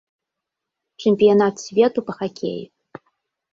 Чэмпіянат свету па хакеі.